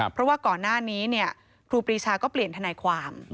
เพราะว่าก่อนหน้านี้ครูปรีชาก็เปลี่ยนทนายความ